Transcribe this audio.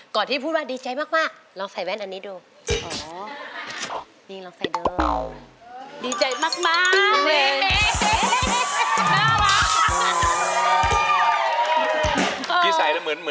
ที่พูดว่าดีใจมากลองใส่แว่นอันนี้ดู